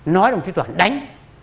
nói được thủ đoạn đánh